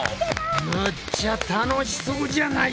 むっちゃ楽しそうじゃないか！